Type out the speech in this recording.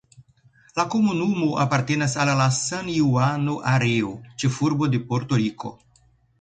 La komunumo apartenas al la San-Juano areo, ĉefurbo de Porto-Riko.